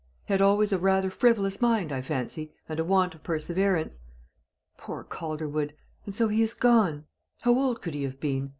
Had always rather a frivolous mind, I fancy, and a want of perseverance. Poor Calderwood! And so he is gone! How old could he have been?